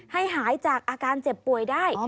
ให้หายจากอาการเจ็บป่วยได้